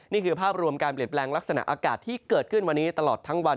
นี่คือภาพรวมการเปลี่ยนแปลงลักษณะอากาศที่เกิดขึ้นวันนี้ตลอดทั้งวัน